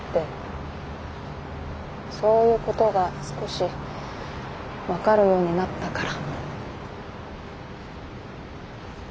そういうことが少し分かるようになったから。